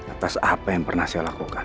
atas apa yang pernah saya lakukan